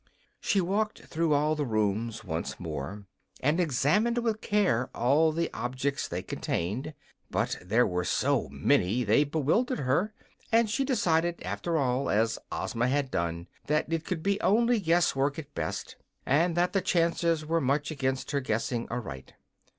She walked through all the rooms once more, and examined with care all the objects they contained; but there were so many, they bewildered her, and she decided, after all, as Ozma had done, that it could be only guess work at the best, and that the chances were much against her guessing aright.